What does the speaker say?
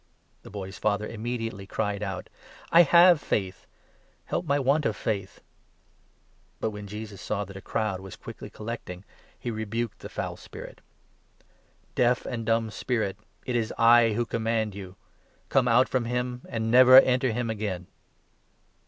The hoy's father immediately cried out : 24 " I have faith ; help my want of faith !" But, when Jesus saw that a crowd' was quickly collecting, he 25 rebuked the foul spirit :" Deaf and dumb spirit, it is I who command you. Come out from him and never enter him again."